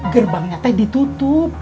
gerbangnya teh ditutup